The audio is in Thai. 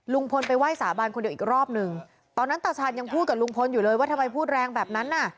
ลุงพลไปไหว้สาบานคนเดียวอีกรอบหนึ่งตอนนั้นตาชาญยังพูดกับลุงพลอยู่เลยว่าทำไมพูดแรงแบบนั้นน่ะ